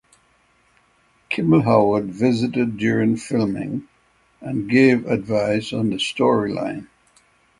Keble Howard visited during filming and gave advice on the storyline.